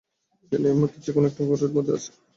যেন এই মুহূর্তে সে কোনো-একটা ঘোরের মধ্যে আছে।